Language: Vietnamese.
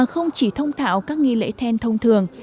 không chỉ thông thạo các nghi lễ then thông thường